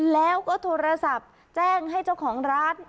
แล้วก็โทรศัพท์แจ้งให้เจ้าของร้าน